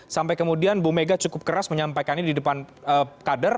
sampai kemudian bumega cukup keras menyampaikannya di depan kader